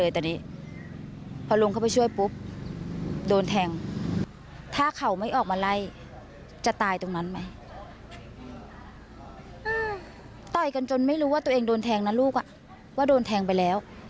ต่อยกันจนไม่รู้ว่าตัวเองโดนแทงนะลูกว่าโดนแทงไปแล้ว